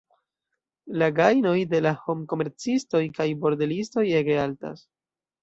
La gajnoj de homkomercistoj kaj bordelistoj ege altas.